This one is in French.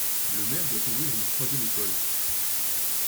Le maire doit ouvrir une troisième école.